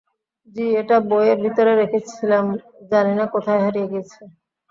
জি, এটা বইয়ের ভিতরে রেখে ছিলাম জানি না কোথায় হারিয়ে গিয়েছে।